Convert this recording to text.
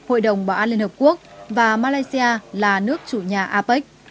hội đồng bảo an liên hợp quốc và malaysia là nước chủ nhà apec